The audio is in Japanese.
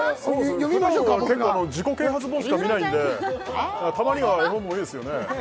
読みましょうか僕が「自己啓発本しか」「見ないんでたまには絵本もいいですよね」